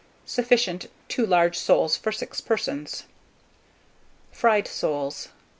Sufficient, 2 large soles for 6 persons. FRIED SOLES.